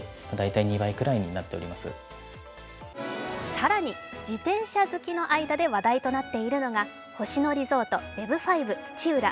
更に、自転車好きの間で話題となっているのが星野リゾートＢｅｂ５土浦。